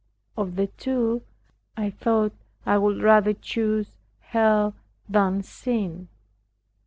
Of the two, I thought I would rather choose Hell than sin.